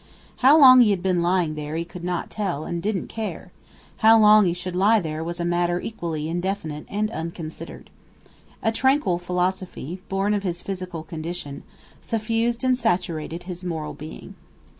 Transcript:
How long he had been lying there he could not tell, and didn't care; how long he should lie there was a matter equally indefinite and unconsidered. A tranquil philosophy, born of his physical condition, suffused and saturated his moral being.